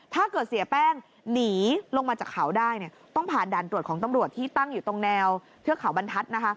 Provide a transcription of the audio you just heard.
ถ้าเกิดเสียแป้งหนีลงมาจากขาวได้ต้องผ่านดาลตรวจของตรวจที่ตั้งอยู่ตู้แนวเทือกขาวบรรทัศน์